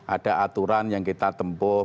ada aturan yang kita tempuh